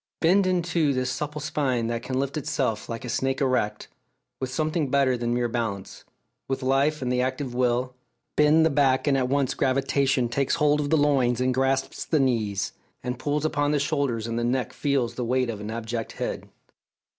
Bend in two this supple spine that can lift itself, like a snake erect, with something better than mere balance with life and the active will; bend the back, and at once gravitation takes hold of the loins and grasps the knees, and pulls upon the shoulders, and the neck feels the weight of an abject head.